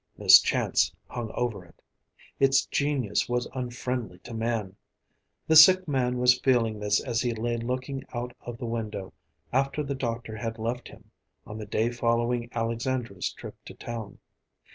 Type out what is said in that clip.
Mischance hung over it. Its Genius was unfriendly to man. The sick man was feeling this as he lay looking out of the window, after the doctor had left him, on the day following Alexandra's trip to town.